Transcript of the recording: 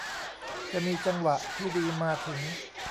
จะมีจังหวะที่ดีมาถึง